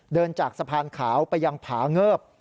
เดินจากสะพานขาวไปยังผาเงิบ